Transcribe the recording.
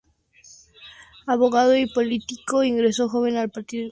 Abogado y político, ingresó joven al partido Congreso Nacional Indio.